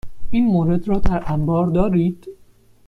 این مورد را در انبار دارید؟